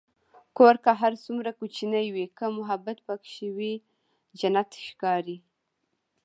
کور که هر څومره کوچنی وي، که محبت پکې وي، جنت ښکاري.